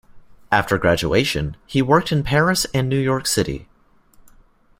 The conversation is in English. After graduation, he worked in Paris and New York City.